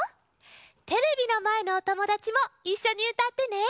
テレビのまえのおともだちもいっしょにうたってね。